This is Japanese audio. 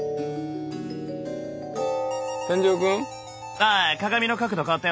ああ鏡の角度変わったよ。